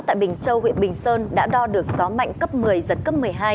tại bình châu huyện bình sơn đã đo được gió mạnh cấp một mươi giật cấp một mươi hai